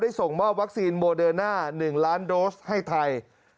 ส่งมอบวัคซีนโมเดิร์น่า๑ล้านโดสให้ไทย